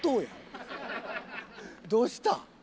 どうした？